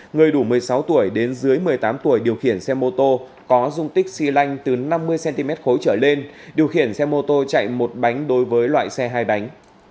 người đủ một mươi sáu tuổi đến dưới một mươi tám tuổi điều khiển xe mô tô có dung tích xy lanh từ năm mươi cm khối trở lên điều khiển xe mô tô chạy một bánh đối với loại xe hai bánh